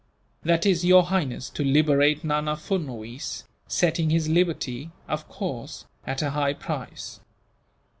"That is, Your Highness, to liberate Nana Furnuwees setting his liberty, of course, at a high price.